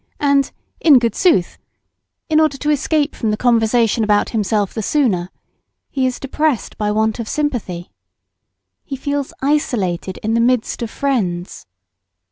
and "In good sooth!" in order to escape from the conversation about himself the sooner, he is depressed by want of sympathy. He feels isolated in the midst of friends.